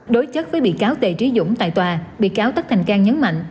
đối chất với bị cáo tề trí dũng tại tòa bị cáo tất thành cang nhấn mạnh